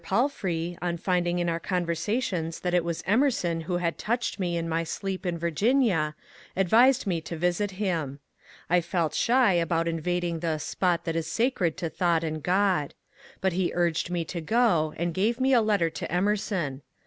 Palfrey, on find ing in our conversations that it was Emerson who had touched me in my sleep in Virginia, advised me to visit him. I felt shy about invading the ^^ spot that is sacred to thought and Ood," but he urged me to go and gave me a letter to Emer son.